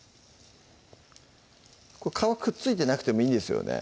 これ皮くっついてなくてもいいんですよね？